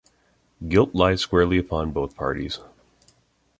Guilt lies squarely upon both parties.